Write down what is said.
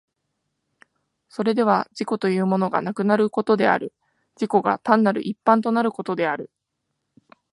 それでは自己というものがなくなることである、自己が単なる一般となることである。